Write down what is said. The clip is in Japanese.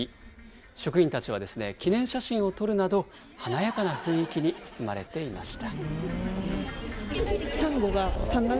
職員たちはですね、記念写真を撮るなど、華やかな雰囲気に包まれていました。